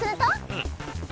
うん。